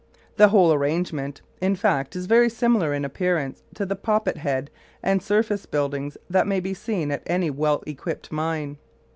The whole arrangement in fact is very similar in appearance to the "poppet head" and surface buildings that may be seen at any well equipped mine.